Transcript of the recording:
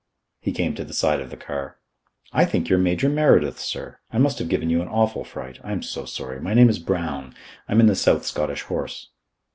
He came to the side of the car. "I think you're Major Meredyth, sir. I must have given you an awful fright. I'm so sorry. My name is Brown. I'm in the South Scottish Horse."